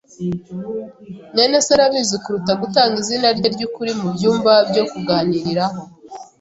mwene se arabizi kuruta gutanga izina rye ryukuri mubyumba byo kuganiriraho.